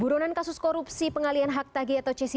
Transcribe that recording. buronan kasus korupsi pengalian hak tagi atau cesi bank bali